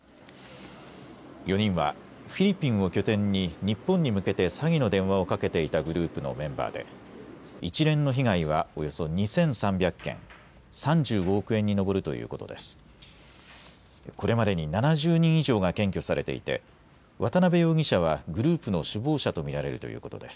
４人はフィリピンを拠点に日本に向けて詐欺の電話をかけていたグループのメンバーで一連の被害はおよそ２３００件、３５億円に上るということです。